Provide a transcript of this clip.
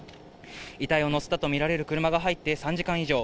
遺体を乗せたと見られる車が入って３時間以上。